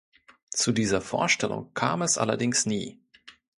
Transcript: Zu dieser Vorstellung kam es allerdings nie.